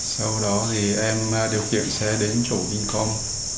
sau đó thì em điều khiển xe đến chỗ vincom